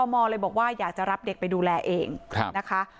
อ่าพ่อมอเลยบอกว่าอยากจะรับเด็กไปดูแลเองครับนะคะ